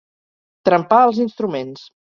Trempar els instruments.